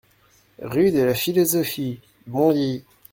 Rue de la Philosophie, Bondy